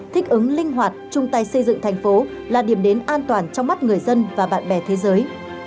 thích ứng linh hoạt chung tay xây dựng thành phố là điểm đến an toàn trong mắt người dân và bạn bè thế giới